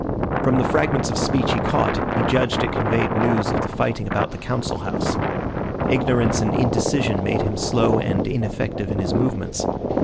From the fragments of speech he caught, he judged it conveyed news of the fighting about the Council House. Ignorance and indecision made him slow and ineffective in his movements.